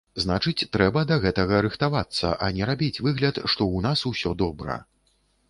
Значыць трэба да гэтага рыхтавацца, а не рабіць выгляд, што ў нас усё добра.